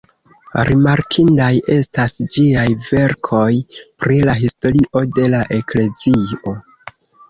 Rimarkindaj estas ĝiaj verkoj pri la historio de la Eklezio.